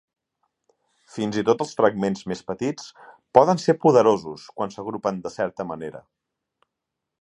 Fins i tot els fragments més petits poden ser poderosos quan s'agrupen de certa manera.